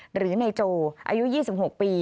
หรือในโจอายุ๒๖ปี